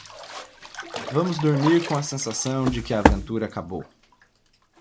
Vamos dormir com a sensação de que a aventura acabou.